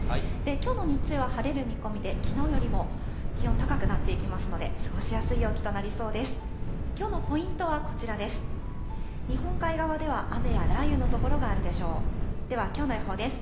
きょうの日中は晴れる見込みで、きのうよりも気温高くなっていきますので過ごしやすい陽気となりそうです。